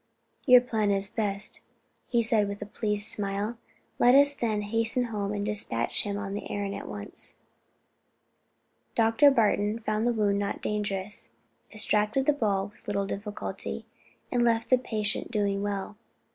"Your plan is best," he said with a pleased smile. "Let us then hasten home and dispatch him on the errand at once." Dr. Barton found the wound not dangerous, extracted the ball with little difficulty, and left the patient doing well.